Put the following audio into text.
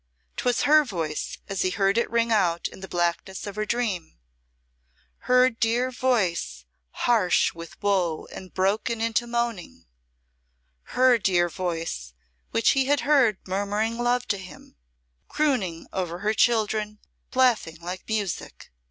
'Twas her voice as he had heard it ring out in the blackness of her dream her dear voice harsh with woe and broken into moaning her dear voice which he had heard murmuring love to him crooning over her children laughing like music!